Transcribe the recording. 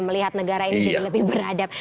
melihat negara ini jadi lebih beradab